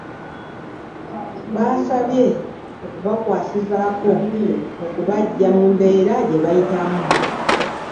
Babasabye okubakwasizaako okubaggya mu mbeera gye bayitamu